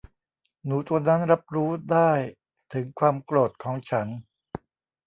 หนูตัวนั้นรับรู้ได้ถึงความโกรธของฉัน